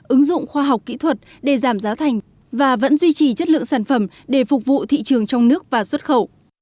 ứng dụng khoa học kỹ thuật để giảm giá thành và vẫn duy trì chất lượng sản phẩm để phục vụ thị trường trong nước và xuất khẩu